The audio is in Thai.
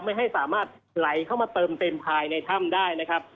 ไม่ให้สามารถไหลเข้ามาเติมเต็มภายในถ้ำได้นะครับ